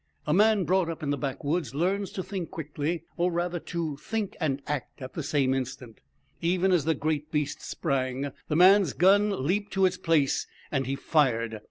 A man brought up in the backwoods learns to think quickly, or, rather, to think and act in the same instant. Even as the great beast sprang, the man's gun leaped to its place and he fired.